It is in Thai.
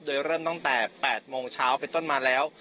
โดยเริ่มตั้งแต่๘โมงเช้าเป็นต้นมาแล้ว